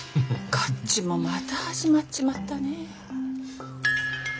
こっちもまた始まっちまったねえ。